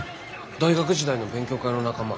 大学時代の勉強会の仲間。